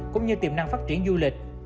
cũng như tiềm năng phát triển du lịch